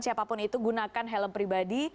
siapapun itu gunakan helm pribadi